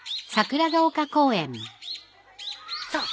さあ！